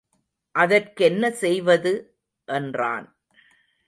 அதற் கென்ன செய்வது! என்றான்.